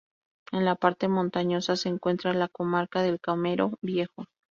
En la parte montañosa se encuentra la comarca del Camero Viejo.